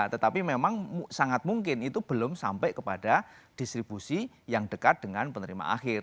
tetapi memang sangat mungkin itu belum sampai kepada distribusi yang dekat dengan penerima akhir